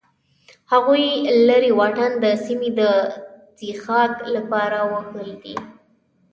هغوی لرې واټن د سیمې د زبېښاک لپاره وهلی و.